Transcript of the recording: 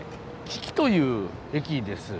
木岐という駅です。